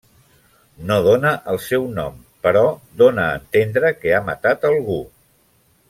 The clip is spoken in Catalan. No dóna el seu nom, però dóna a entendre que ha matat algú.